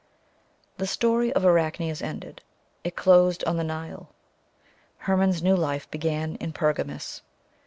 ....................... The story of Arachne is ended. It closed on the Nile. Hermon's new life began in Pergamus.